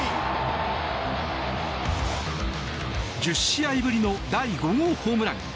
１０試合ぶりの第５号ホームラン。